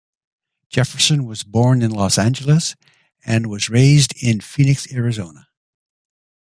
Jefferson was born in Los Angeles and was raised in Phoenix, Arizona.